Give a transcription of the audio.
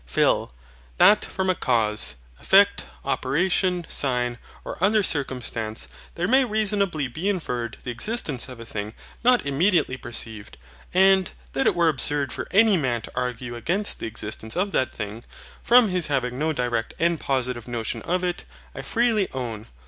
PHIL. That from a cause, effect, operation, sign, or other circumstance, there may reasonably be inferred the existence of a thing not immediately perceived; and that it were absurd for any man to argue against the existence of that thing, from his having no direct and positive notion of it, I freely own.